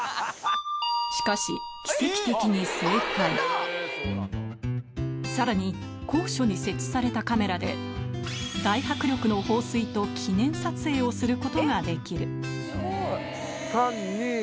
しかし奇跡的に正解さらに高所に設置されたカメラで大迫力の放水と記念撮影をすることができるスゴい！